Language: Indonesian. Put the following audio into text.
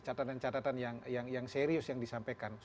catatan catatan yang serius yang disampaikan